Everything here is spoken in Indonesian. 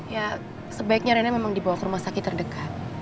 ya sebaiknya rena memang dibawa ke rumah sakit terdekat